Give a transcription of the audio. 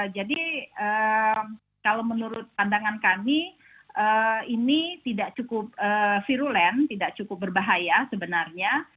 jadi kalau menurut pandangan kami ini tidak cukup virulen tidak cukup berbahaya sebenarnya